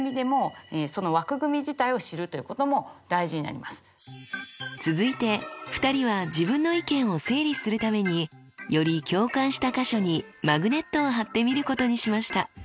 そういう意味でも続いて２人は自分の意見を整理するためにより共感した箇所にマグネットを貼ってみることにしました。